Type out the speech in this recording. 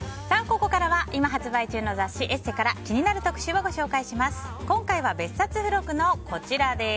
ここからは今発売中の雑誌「ＥＳＳＥ」から気になる特集をご紹介します。